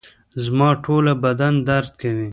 زما ټوله بدن درد کوي